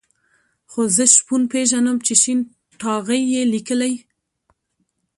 خو زه شپون پېژنم چې شين ټاغی یې لیکلی.